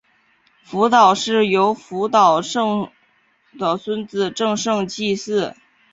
福岛氏由福岛忠胜的孙子正胜继嗣。